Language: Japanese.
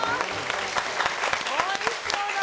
おいしそうだな。